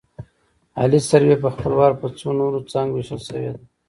عالي سروې په خپل وار په څو نورو څانګو ویشل شوې ده